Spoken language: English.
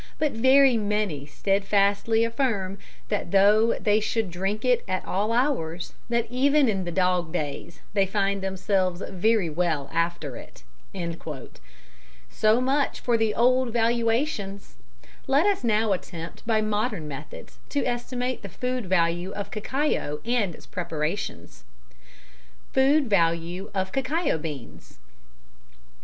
But very many steadfastly affirm, that tho' they shou'd drink it at all hours, and that even in the Dog days, they find themselves very well after it. So much for the old valuations; let us now attempt by modern methods to estimate the food value of cacao and its preparations. _Food Value of Cacao Beans.